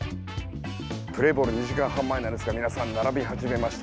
プレーボール２時間半前なんですが皆さん並び始めました。